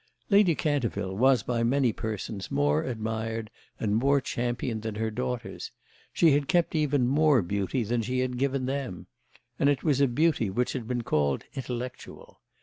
Lady Canterville was by many persons more admired and more championed than her daughters; she had kept even more beauty than she had given them, and it was a beauty which had been called intellectual.